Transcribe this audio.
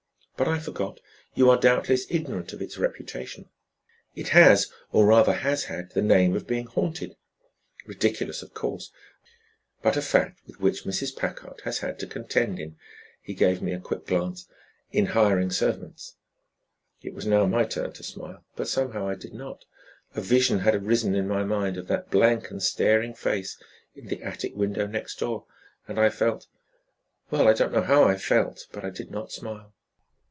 But I forgot; you are doubtless ignorant of its reputation. It has, or rather has had, the name of being haunted. Ridiculous, of course, but a fact with which Mrs. Packard has had to contend in" he gave me a quick glance "in hiring servants." It was now my turn to smile, but somehow I did not. A vision had risen in my mind of that blank and staring face in the attic window next door, and I felt well, I don't know how I felt, but I did not smile.